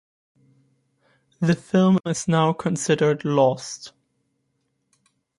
The film is now considered lost.